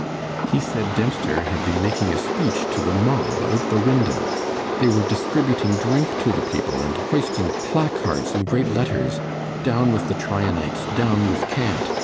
He said Dempster had been making a speech to the mob out the window. They were distributing drink to the people, and hoisting placards in great letters, "Down with the Tryanites!" "Down with cant!"